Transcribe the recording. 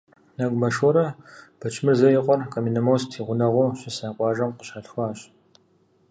Нэгумэ Шорэ Бэчмырзэ и къуэр Каменномост и гъунэгъуу щыса къуажэм къыщалъхуащ.